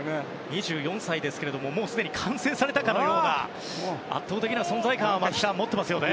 ２４歳ですが、もうすでに完成されたかのような圧倒的な存在感を持っていますね。